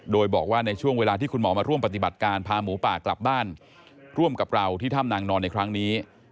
โดยบอกว่าในช่วงเวลาที่คุณหมอมาร่วมปฏิบัติการพาหมูป่ากลับบ้านร่วมกับเราที่ถ้ำนางนอนในครั้งนี้